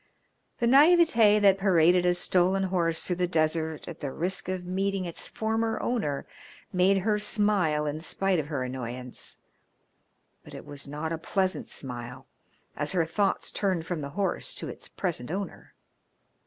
The naivete that paraded a stolen horse through the desert at the risk of meeting its former owner made her smile in spite of her annoyance, but it was not a pleasant smile, as her thoughts turned from the horse to its present owner.